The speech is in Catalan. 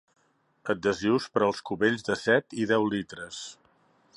Adhesius per als cubells de set i deu litres.